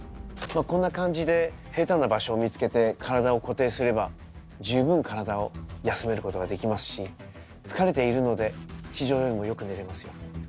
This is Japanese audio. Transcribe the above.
こんな感じで平坦な場所を見つけて体を固定すれば十分体を休めることができますし疲れているので地上よりもよく寝れますよ。